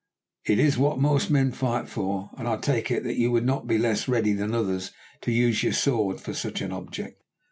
It is what most men fight for, and I take it that you would not be less ready than others to use your sword for such an object."